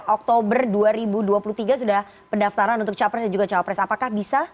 oktober dua ribu dua puluh tiga sudah pendaftaran untuk capres dan juga cawapres apakah bisa